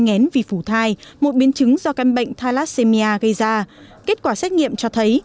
ngén vì phủ thai một biến chứng do căn bệnh thalassemia gây ra kết quả xét nghiệm cho thấy